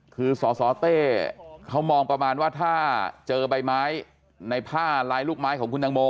คือสสเต้เขามองประมาณว่าถ้าเจอใบไม้ในผ้าลายลูกไม้ของคุณตังโม